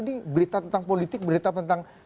ini berita tentang politik berita tentang